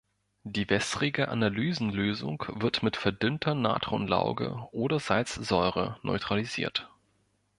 Die wässrige Analysen-Lösung wird mit verdünnter Natronlauge oder Salzsäure neutralisiert.